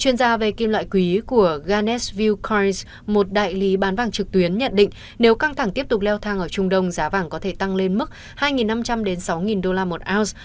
ngoài về kim loại quý của ganesh vilkars một đại lý bán vàng trực tuyến nhận định nếu căng thẳng tiếp tục leo thang ở trung đông giá vàng có thể tăng lên mức hai năm trăm linh sáu đô la một ounce